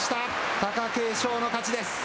貴景勝の勝ちです。